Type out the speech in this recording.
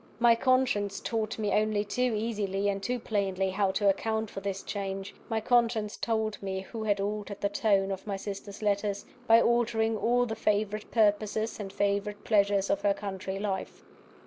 My conscience taught me only too easily and too plainly how to account for this change my conscience told me who had altered the tone of my sister's letters, by altering all the favourite purposes and favourite pleasures of her country life.